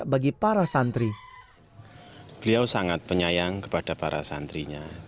bagi para santri